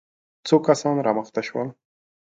څو کسان را مخته شول.